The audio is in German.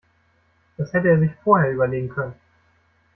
Das hätte er sich vorher überlegen können.